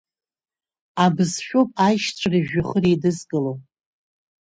Абызшәоуп аишьцәа ржәҩахыр еидызкыло.